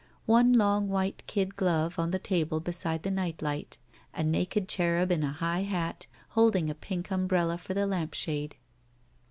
One long white kid glove on the table beside the night light. A naked cherub in a high hat, holding a pink umbrella for the lamp shade.